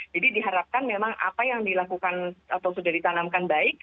jadi diharapkan memang apa yang dilakukan atau sudah ditanamkan baik